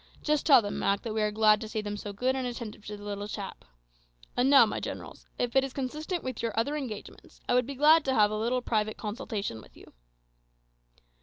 Just tell them, Mak, that we are glad to see them so good and attentive to the little chap. And now, my generals, if it is consistent with your other engagements, I would be glad to have a little private consultation with you."